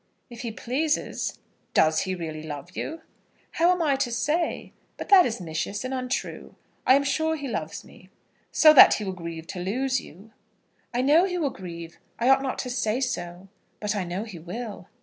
"If he pleases." "Does he really love you?" "How am I to say? But that is missish and untrue. I am sure he loves me." "So that he will grieve to lose you?" "I know he will grieve. I ought not to say so. But I know he will."